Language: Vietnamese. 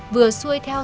vừa xuôi theo